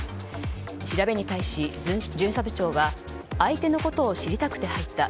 調べに対し、巡査部長は相手のことを知りたくて入った。